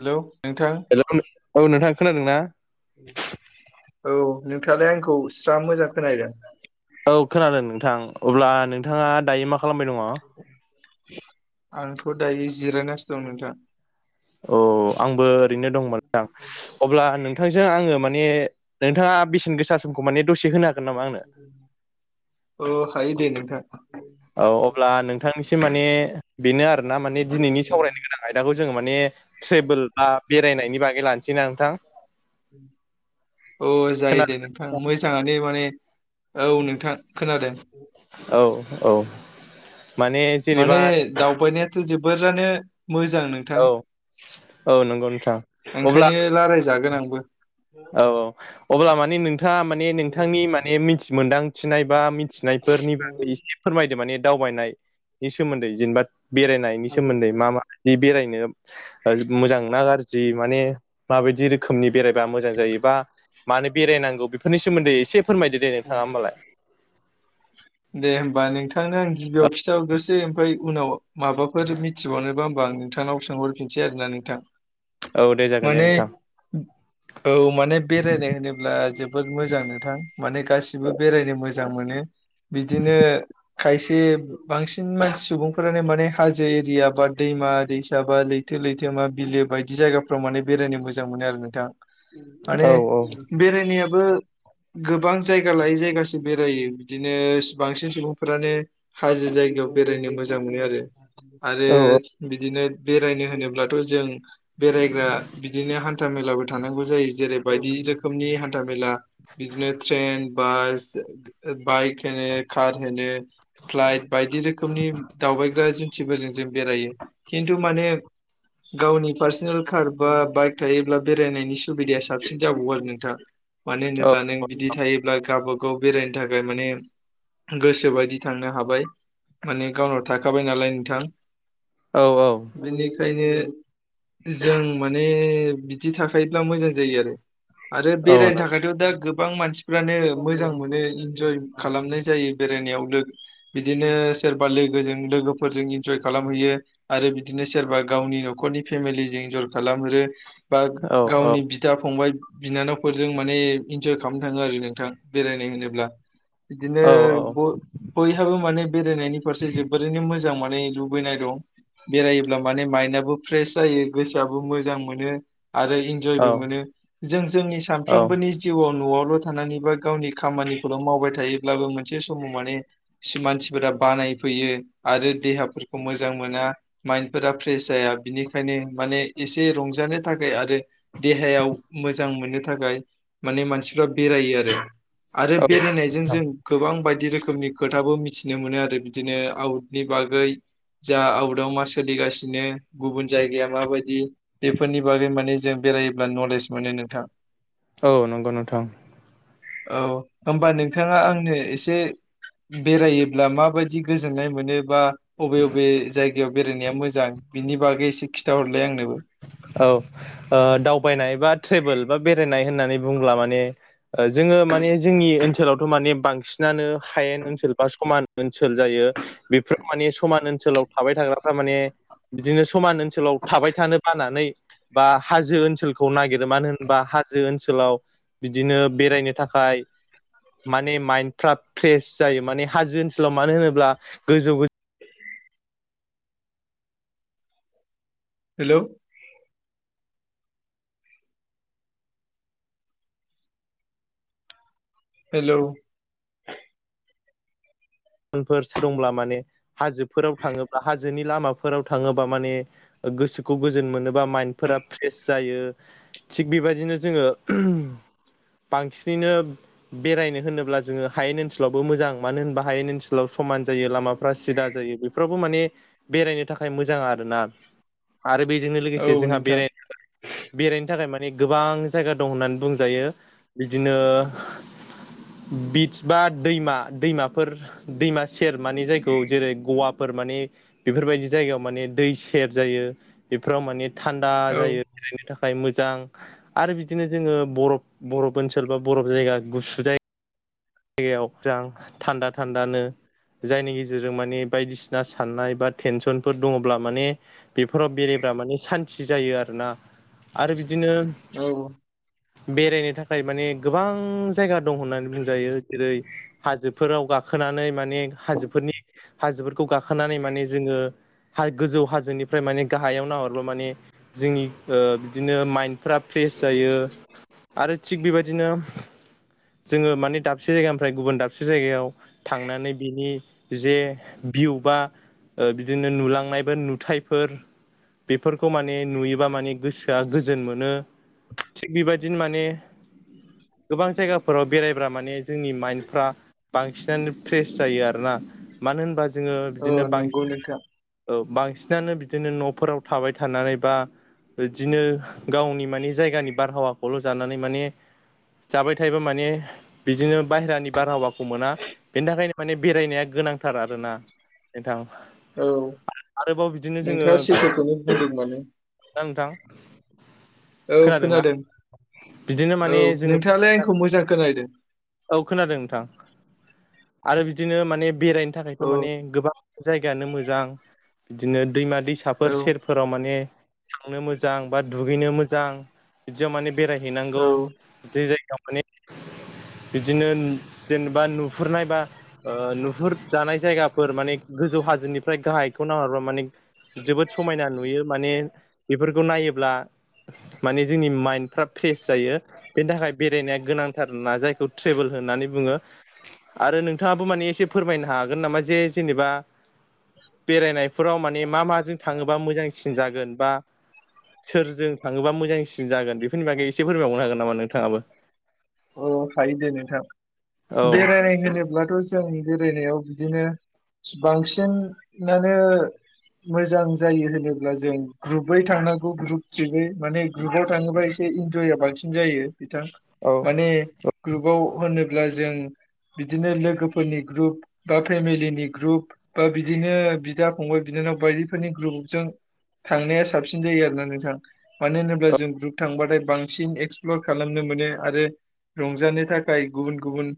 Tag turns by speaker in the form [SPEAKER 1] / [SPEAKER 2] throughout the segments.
[SPEAKER 1] Hello! नोंथां।
[SPEAKER 2] Hello औ नोंथां खोनादों ना?
[SPEAKER 1] औ नोंथाङालाय आंखौ स्रा मोजां खोनाहैदों?
[SPEAKER 2] औ खोनादों नोंथां अब्ला नोंथाङा दायो मा खालामबाय दङ'?
[SPEAKER 1] आंथ' दायो जिरायनासो दं नोंथां।
[SPEAKER 2] अ! आंबो ओरैनो दंमोन नोंथांजों अब्ला नोंथांजों आङो माने। नोंथाङा बेसेन गोसा समखौ माने दसे होनो हा।
[SPEAKER 1] अ हायो दे नोंथां।
[SPEAKER 2] औ अब्ला नोंथांनिसिम माने बेनो आरोना माने दिनैनि सावरायनो गोनां आयदाखौ। जोङो माने ट्रेभेल बा बेरायनायनि बागै लानोसै ना नोंथां?
[SPEAKER 1] अ जायो
[SPEAKER 2] खोनादों
[SPEAKER 1] दे नोंथां मोजाङानो माने। औ नोंथां खोनादों।
[SPEAKER 2] औ-औ।
[SPEAKER 1] माने दावबायनायाथ' जोबोरानो। मोजां नोंथां
[SPEAKER 2] औ औ नंगौ नोंथां
[SPEAKER 1] ओंखायनो रालायजागोन आंबो।
[SPEAKER 2] औ-औ अब्ला माने नोंथाङा माने नोंथांनि माने मिथि मोनदांथिनाय बा मि। थिनायफोरनि बागै एसे फोरमायदो माने दावबायनाय नि सोमोन्दै जेनेबा। बेरायनायनि सोमोन्दै मा-मा दि बेरायनो मोजां ना गाज्रि माने? माबायदि रोखोमनि बेरायबा मोजां जायोबा मानो बेरायनांगौ बेफोरनि सोमोन्दै एसे‌ फोरमायदो दे नोंथाङा होमबालाय।
[SPEAKER 1] दे होमबा नोंथांनो आं गिबियाव खिथाहरग्रोसै ओमफ्राय उनाव माबाफोर मिथिबावनोबा। बा आं नोंथांनाव सोंहरफिनसै आरो ना नोंथां?
[SPEAKER 2] औ दे जागोन दे
[SPEAKER 1] माने
[SPEAKER 2] नोंथां।
[SPEAKER 1] औ माने बेरायनाय होनोब्ला जोबोद मोजां नोंथां माने गासिबो बेरायनो मो। मोजां मोनो बिदिनो। खायसे बांसिन मानसि सुबुंफोरानो माने हाजो एरिया बा दैमा-दैसा बा दै। थो लैथोमा, बिलो बायदि जायगाफ्राव माने बेरायनो मोजां मोनो आरो नोंथां। माने
[SPEAKER 2] औ
[SPEAKER 1] बेरायनायाबो। गोबां जायगा लायै जायगासो बेरायो बिदिनो। नो सो बांसिन सुबुंफोरानो हाजो जायगायाव बेरायनो मोजां मोनो आरो। आरो
[SPEAKER 2] औ
[SPEAKER 1] बिदिनो बेरायनो होनोब्लाथ' जों। बेरायग्रा बिदिनो हान्था मेला बो। थानांगौ जायो जेरै बायदि रोखोमनि हान्था मेला बिदिनो ट्रेन, बास। बाइक होनो, खार मोनो। फ्लाइट बायदि रोखोमनि दावबायग्रा जुन्थिफोरजों जों बेरायो खिन्थु माने। गावनि पार्सनेल कार बा बाइक थायोब्ला बेरायनायनि सुबिदाया साबसिन जाबावो आरो नोंथां। मानो होनोब्ला नों बिदि थायोब्ला गावबागाव बेरायनो थाखाय माने। गोसो बायदि थांनो हाबाय माने गावनाव थाखाबाय नालाय नोंथां।
[SPEAKER 2] औ
[SPEAKER 1] बेनिखायनो। जों माने बिदि थाखायोब्ला मोजां जायो आरो। आरो
[SPEAKER 2] औ
[SPEAKER 1] बेरायनो
[SPEAKER 2] नों
[SPEAKER 1] थाखायथ' दा गोबां मानसिफ्रानो मोजां मोनो। इन्जय खालामनाय जायो बेरायनायावनो बिदिनो सोरबा लोगोजों लोगोफोरजों इन्जय खालाम। हैयो आरो बिदिनो सोरबा गावनि न'खरनि फेमिलिजों एन्जर खालामहरो। बा
[SPEAKER 2] औ
[SPEAKER 1] गावनि बिदा फंबाय बिनानावफोरजों माने इन्जय खालामनो थाङो आरो नोंथां बेरायनाय होनोब्ला। बिदिनो
[SPEAKER 2] औ
[SPEAKER 1] बयहाबो माने बेरायनायनि फारसे जोबोरैनो मोजां मोन बे लुबैनाय दं। बेरायोब्ला माने माइन्दाबो फ्रेस जायो गोसोआबो मोजां मोनो। आरो इन्जयबो मोनो। जों जोंनि
[SPEAKER 2] औ
[SPEAKER 1] सानफ्रोमबोनि जिउआव न'आव थानानै बा गावनि खामानि खौल' मावबाय थायोब्लाबो मोनसे समाव माने सि मानसिफोरा बानायफैयो आरो देहाफोर मोजां मोना माइन्द फोरा फ्रेस जाया बिनिखायनो माने एसे रंजानो थाखाय आरो देहायाव मोजां मोननो थाखाय माने मानसिफ्रा बेरायो आरो। आरो
[SPEAKER 2] औ
[SPEAKER 1] बेरायनायजों जों गोबां बायदि रोखोमनि खोथाबो मिथिनो मोनो आरो बिदिनो आउटनि बागै जा आउटआव मा सोलिगासिनो गुबुन जायगाया माबायदि बेफोरनि बागै माने जों बेरायोब्ला नलेज मोनो नोंथां।
[SPEAKER 2] औ नंगौ नोंथां।
[SPEAKER 1] औ होमबा नोंथाङा आंनो एसे बेरायोब्ला माबादि गोजोननाय मोनो बा अबे अबे जायगायाव बेरायनाया मोजां बिनि बागै एसे खिथाहरलाय। आंनोबो
[SPEAKER 2] औ ओ दावबायनाय बा ट्रेभेल बा बेरायनाय होननानै बुंब्ला माने जोङो माने जोंनि ओनसोल सोलावथ' माने बांसिनानो हायेन ओनसोल बा समान ओनसोल जायो। बेफोराव माने समान ओनसो सोलाव थाबाय थाग्राफ्रा माने बिदिनो समान ओनसोलाव थाबाय थानो बानानै बा हाजो ओनसोलखौ नागिरो मानो होनबा हाजो ओनसोलाव बिदिनो बेरायनो थाखाय माने माइन्दफ्रा फ्रेस जायो माने हाजो ओनसोलाव मानो होनोब्ला गोजौ गो
[SPEAKER 1] हेलौ। हेलौ।
[SPEAKER 2] [unintelligible] दंब्ला माने हाजोफोराव थाङोब्ला हाजोनि लामाफोराव थाङोबा माने गोसोखौ गोजोन मोनोबा माइन्डफोरा फ्रेस जायो। थिग बेबायदिनो जोङो बांसिनैनो बेरायनो होनोब्ला जोङो हायेन ओनसोलावबो मोजां। मानो होनबा हायेन ओन सोलाव समान जायो लामाफ्रा सिदा जायो। बेफोरावबो माने बेरायनो थाखाय मोजां आरो ना। आरो बेजोंनो
[SPEAKER 1] औ
[SPEAKER 2] लोगोसे जोंहा
[SPEAKER 1] नोंथां
[SPEAKER 2] बेराय बेरायनो थाखाय माने माने गोबां जायगा दं होननानै बुंजायो बिदिनो बिट्स बा दैमा दैमाफोर दैमा सेर माने जायखौ जेरै गवाफोर माने बेफोरबायदि जायगायाव माने दै सेर जायो। बेफोराव माने थान्दा
[SPEAKER 1] औ
[SPEAKER 2] जायो बेरायनो थाखाय। खाय मोजां आरो बिदिनो जोङो बरफ बरफ ओनसोल बा बरफ जायगा गुसु जायगा जायगायाव जां थान्दा थान्दानो जायनि गेजेरजों माने बायदिसिना साननाय बा टेनसनफोर दङब्ला माने बेफोराव बेरे ब्ला माने सान्थि जायो आरोना आरो बि दिनो
[SPEAKER 1] औ
[SPEAKER 2] बेरायनो थाखाय माने गोबां जायगा दं होननानै बुंजायो। जेरै हाजोफोराव गाखोनानै माने हाजोफोरनि हाजोफोरखौ गाखोनानै माने जोङो हा गोजौ हाजोनिफ्राय माने गाहायाव नाहरबा माने जोंनि ओ बिदिनो माइन्दफ्रा फ्रेस जायो आरो थिग बेबादिनो जोङो माने दाबसे से जायगानिफ्राय गुबुन दाबसे जायगायाव थांनानै बिनि जे भिउ बा ओ बिदिनो नुलांनाय बा नुथायफोर बेफोरखौ माने नुयोबा माने गोसोआ गोजोन मोनो। थिग बेबादिनो माने गोबां जायगाफोराव बेरायब्रा माने जोंनि माइन्दफ्रा बांसिनानो फ्रेस जायो आरोना। मानो होनबा जो जोङो
[SPEAKER 1] औ
[SPEAKER 2] बिदिनो
[SPEAKER 1] नंगौ
[SPEAKER 2] बांसिन
[SPEAKER 1] नोंथां
[SPEAKER 2] औ बांसिन बांसिनानो बिदिनो न'फोराव थाबाय थानानै बा बिदिनो गावनि माने जायगानि बारहावाखौल' जानानै माने जाबाय थायोबा माने बिदिनो बाहहेरानि बारहावाखौ मोना बेनि थाखायनो माने बेरायनाया गोनांथार आरोना [unintelligible]
[SPEAKER 1] औ
[SPEAKER 2] आरोबाव बिदिनो जोङो
[SPEAKER 1] नोंथाङा सैथोखौनो बुंदों
[SPEAKER 2] ना नोंथां
[SPEAKER 1] औ
[SPEAKER 2] खोनादोंना
[SPEAKER 1] खोनादों
[SPEAKER 2] बिदिनो
[SPEAKER 1] औ
[SPEAKER 2] माने जोङो
[SPEAKER 1] नोंथाङालाय आंखौ मोजां खोनादों।
[SPEAKER 2] औ खोनादों नोंथां आरो बिदिनो माने बेरायनो थाखायथ'
[SPEAKER 1] औ
[SPEAKER 2] माने गोबां जायगायानो मोजां बिदिनो दैमा
[SPEAKER 1] औ
[SPEAKER 2] दैसाफोर सेरफोराव माने थांनो मोजां बा दुगैनो मोजां बिदियाव माने बेरायहैनांगौ
[SPEAKER 1] औ
[SPEAKER 2] जे जायगायाव माने बिदिनो जेनेबा नुहुरनाय बा ओ नुहुरजानाय जायगाफोर माने गोजौ हा हाजोनिफ्राय गाहखौ नरबा मानि जोबो समायना नुयो माने बेफोरखौ नायोब्ला माने जोंनि माइन्दफ्रा फ्रेस जायो बेनि थाखाय बेरायनाया गोनांथार ना जायखौ ट्रेभेल होननानै बुङो आरो नोंथाङाबो माने एसे फोरमायनो हागोन नामा जे जेनेबा बेरायनायफोराव माने मा माजों थाङोबा मोजांसिन जागोन बा सोरजों थाङोबा मोजांसिन जागोन बेफोरनि बागै एसे फोरमायबावनो हागोन नामा नोंथाङाबो
[SPEAKER 1] अ हायो दे नोंथां
[SPEAKER 2] औ
[SPEAKER 1] बेरायनाय होनोब्लाथ' जों बेरायनायाव बिदिनो बांसिनानो मोजां जायो होनोब्ला जों ग्रुपै थांनांगौ ग्रुप थ्रिनै माने ग्रुपाव थाङोबा एसे इन्जया बांसिन जायो बिथां
[SPEAKER 2] औ
[SPEAKER 1] माने ग्रुपाव होनोब्ला जों बिदिनो लोगोफोरनि ग्रुप बा फेमिलिनि ग्रुप बा बिदिनो बिदा फंबाय बिना जोंनाव बायदिफोरनि ग्रुपजों थांनाया साबसिन जायो आरो ना नोंथां मानो होनोब्ला जों ग्रुप थांबाथाय बांसिन एक्सप्लर खालामनो मोनो आरो रंजानो थाखाय गुबुन गुबुन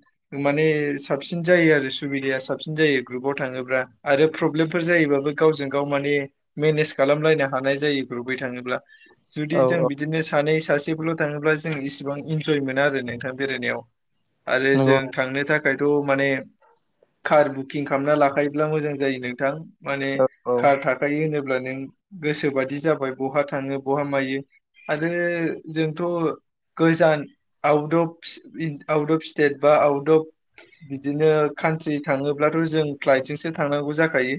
[SPEAKER 1] माने साबसिन जायो आरो सुबिदाया साबसिन जायो ग्रुप ग्रुपाव थाङोब्ला आरो प्र्रब्लेमफोर जायोबाबो गावजों गाव माने मेनेज खालामलायनो हानाय जायो ग्रुप थाङोब्ला
[SPEAKER 2] औ
[SPEAKER 1] जुदि जों
[SPEAKER 2] औ
[SPEAKER 1] बिदिनो सानै सासेफोरल' थाङोब्ला जों इसेबां इन जय मोनो आरो नोंथां बेरायनायाव आरो
[SPEAKER 2] नंगौ
[SPEAKER 1] जों थांनो थाखाय थाखायथ' माने कार बुकिं खालामना लाखायोब्ला मोजां जायो नोंथां माने
[SPEAKER 2] औ औ
[SPEAKER 1] कार थाखायो होनोब अब्ला नों गोसोबादि जाबाय बहा थाङो बहा मायो आरो जोंथ' गोजान out of out of state बा आउट अफ बिदिनो कान्ट्रि थाङोब्लाथ' जों फ्लाइटजोंसो थांनांगौ जाखायो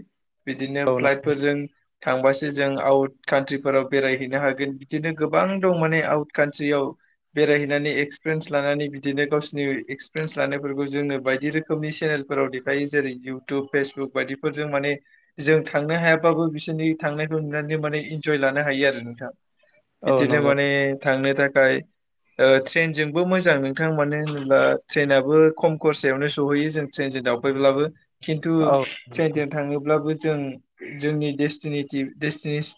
[SPEAKER 1] बिदिनो
[SPEAKER 2] औ
[SPEAKER 1] फ्लाइटफोरजों थांबासो जों आउट कान्ट्रिफोराव बेरायहैनो हागोन बिदिनो गोबां दं माने आउट कान्ट्रियाव बेरायहै नानै एक्सपिरियेन्स लानानै बिदिनो गावसिरनि एक्सपिरियेन्स लानायफोरखौ जोंनो बायदि रोखोमनि चेनेलफोराव देखाय जेरै इउटुब फेसबुक बायदिफोरजों माने जों थांनो हायाबाबो बिसोरनि थांनायखौ नुनानै बिनो माने इनजय लानो हायो आरो नोंथां
[SPEAKER 2] औ
[SPEAKER 1] बिदिनो
[SPEAKER 2] नंगौ
[SPEAKER 1] माने थांनो थाखाय ओ ट्रेनजोंबो मोजां नोंथां मानो होनोबा ट्रेननाबबो खम खरसायावनो सहैयो जोंनिथीशा ट्रेनजों दावबायब्लाबो खिन्थु
[SPEAKER 2] औ
[SPEAKER 1] न्टिजों थाङोब्लाबो जों जोंनि डेस्टिनेटि देस्टिनेस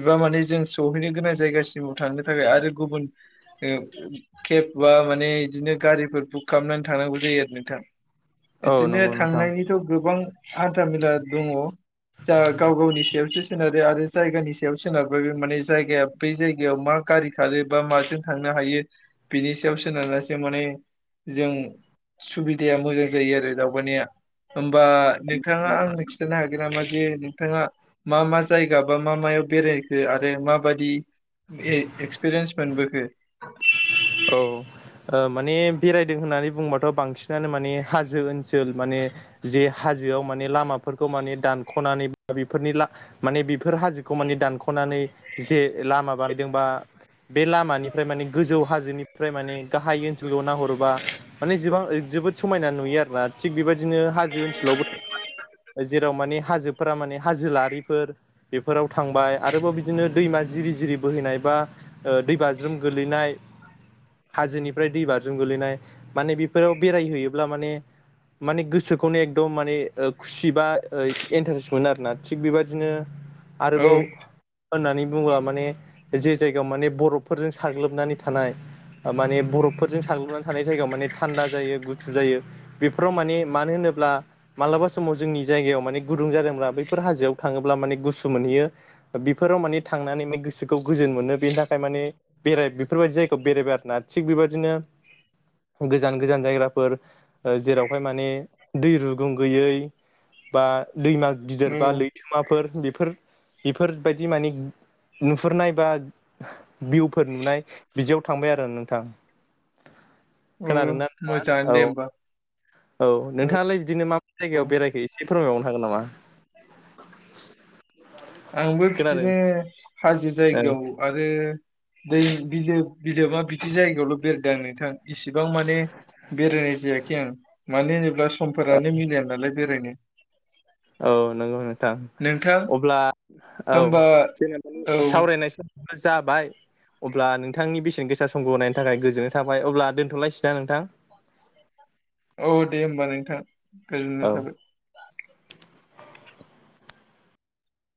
[SPEAKER 1] एबा माने जों सहैनो गोनां जायगासिमाव थांनो थाखाय आरो गुबुन केब बा माने बिदिनो गारिफोर बुक खालामनानै थांनांगौ जायो आरो नोंथां
[SPEAKER 2] औ
[SPEAKER 1] बिदिनो
[SPEAKER 2] नंगौ नोंथां
[SPEAKER 1] थांनायनिथ' गोबां हान्थ मेला दङ जा गाव गावनि सायावसो सोनारो आरो जायगानि सायाव सोनारबाय बे माने जायगाया बै जायगायाव मा गारि खारो बा माजों थांनो हायो बिनि सायाव सोनारनासो माने जों सुबिदाया मोजां जायो आरो दावबायनाया होमबा नोंथाङा आंनो खिथानो हागोन नामा? जे नोंथाङा मा मा जायगा बा मा मायाव बेरायखो आरो माबादि ए एक्सपिरियेन्स मोनबोखो?
[SPEAKER 2] औ ओ माने बेरायदों होननानै बुंबाथ' बांसिनानो माने हाजो ओनसो सोल माने जे हाजोआव माने लामाफोरखौ माने दानख'नानै बा बेफोरनि माने बेफोर हाजोखौ माने दानख' खनानै जे लामा बानायदों बा बे लामानिफ्राय माने गोजौ हाजोनिफ्राय माने गाहाय ओनसोलखौ नाहरोबा माने जेबां जोबोद समायना नुयो आरोना थिग बेबायदिनो हाजो ओनसोलावबो जेराव माने हाजो फोरा माने हाजोलारिफोर बेफोराव थांबाय आरोबाव बिदिनो दैमा जिरि जिरि बोहैनाय बा दैबाज्रुम गोलैनाय हाजोनिफ्राय दै बारजों गोलैनाय माने बेफोराव बेरायहैयोब्ला माने माने गोसोखौनो एकदम माने खुसि बा इन्टारेस्ट मोनो आरोना थिग बेबादिनो
[SPEAKER 1] औ
[SPEAKER 2] आरोबाव होननानै बुङोब्ला माने जे जायगायाव माने बरफफोरजों साग्लोबनानै थ थानाय माने बरफफोरजों साग्लोबनानै थानाय ज म था जायो गुथु जायो बेफोराव मान मानो होनोब्ला मालाबा समाव जोंनि जाया जायायाव माने गुदुं जादोंब्ला बैफोर हाजोआव थाङोब्ला माने गुसु मोनहैयो बेफोराव माने थांनानैान गोसोखौ गोजोन मोनो बेनि थाखाय माने बेराय बेफोरबायदि जायगायाव बेरायबाय आरोना थिग बेबायदिनो गोजान गोजान जायगाफोर जेरावहाय माने दै रुगुं गैयै बा दैमा
[SPEAKER 1] औ
[SPEAKER 2] गिदिर बा लैथोमाफोर बेफोर बेफोरबायदि माने नुहुरनाय बा भिउफोर नुनाय बिदियाव थांबाय आरो नोंथां।
[SPEAKER 1] उम
[SPEAKER 2] खोनादोंना नोंथाङा
[SPEAKER 1] मोजाङानो दे
[SPEAKER 2] औ
[SPEAKER 1] होमबा।
[SPEAKER 2] औ नोंथाङालाय बिदिनो मा मा
[SPEAKER 1] औ
[SPEAKER 2] जायगायाव बेरायखो एसे फोरमायावनो हागोन नामा?
[SPEAKER 1] आंबो
[SPEAKER 2] खोनादों
[SPEAKER 1] बिदिनो हाजो जायगायाव आरो दै बिदो बिदोबा बिदि जायगायावल' बेरदों आरो‌ नोंथां। इसिबां माने बेरायनाय जायाखै आं मानो होनोब्ला
[SPEAKER 2] औ
[SPEAKER 1] समफोरानो मिलया नालाय बेरायनो।
[SPEAKER 2] औ नंगौ नों थां
[SPEAKER 1] नोंथां
[SPEAKER 2] अब्ला औ
[SPEAKER 1] होमबा
[SPEAKER 2] जेनेबा
[SPEAKER 1] औ
[SPEAKER 2] सावरायनायसै खिन्थु जाबाय। अब्ला नोंथांनि बेसेन गोसा समखौ होनायनि थाखाय गोजोननाय थाबाय अब्ला दोनथ'लायसैना नोंथां? [inaudible]
[SPEAKER 1] औ दे होमबा नोंथां गोजोननाय
[SPEAKER 2] औ
[SPEAKER 1] थाबाय।